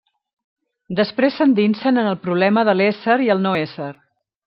Després s'endinsen en el problema de l'ésser i el no-ésser.